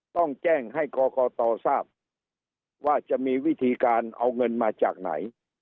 ต้องแจ้งให้กรกตทราบว่าจะมีวิธีการเอาเงินมาจากไหน